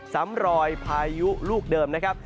ซ้ำรอยพายุลูกเดิมนะครับ